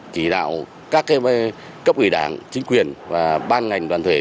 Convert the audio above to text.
chỉ đạo các cấp ủy đảng chính quyền và ban ngành đoàn thể